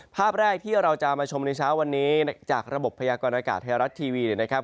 ภาพแรกที่เราจะมาชมในเช้าวันนี้จากระบบพยากรณากาศไทยรัฐทีวีเนี่ยนะครับ